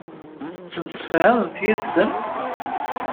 Tettemsefhamemt yid-sen?